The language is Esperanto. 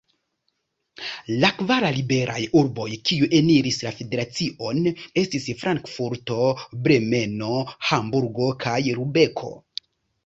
La kvar liberaj urboj, kiuj eniris la federacion, estis Frankfurto, Bremeno, Hamburgo kaj Lubeko.